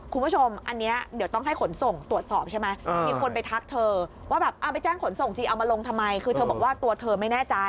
คุณผู้ชมอันนี้เดี๋ยวต้องให้ขนส่งตรวจสอบใช่ไหม